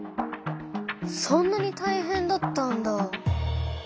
そんなにたいへんだったんだ。